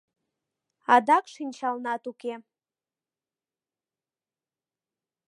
Адак шинчалнат уке...